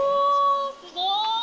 すごい！